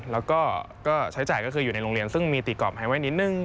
แล้วก็ใช้จ่ายก็คืออยู่ในโรงเรียนซึ่งมีตีกรอบให้ไว้นิดนึง